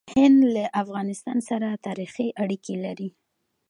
هند له افغانستان سره تاریخي اړیکې لري.